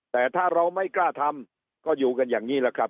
แต่ถ้าเราไม่กล้าทำก็อยู่กันอย่างนี้แหละครับ